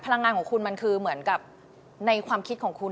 พลังงานของคุณมันคือเหมือนกับในความคิดของคุณ